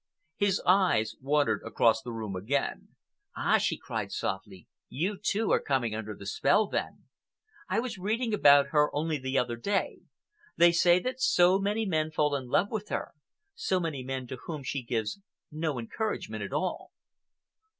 His eyes wandered across the room again. "Ah!" she cried softly, "you, too, are coming under the spell, then. I was reading about her only the other day. They say that so many men fall in love with her—so many men to whom she gives no encouragement at all."